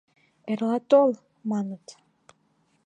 — Эрла тол! — маныт.